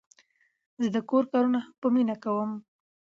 زه د کور کارونه هم په مینه کوم.